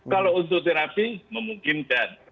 kalau untuk terapi memungkinkan